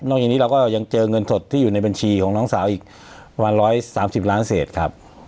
อย่างนี้เราก็ยังเจอเงินสดที่อยู่ในบัญชีของน้องสาวอีกประมาณ๑๓๐ล้านเศษครับ